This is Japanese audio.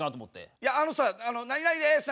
いやあのさ「何々です」